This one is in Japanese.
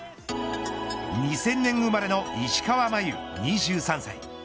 ２０００年生まれの石川真佑２３歳。